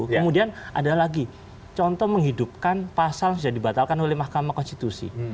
kemudian ada lagi contoh menghidupkan pasal sudah dibatalkan oleh mahkamah konstitusi